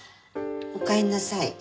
おかえりなさい。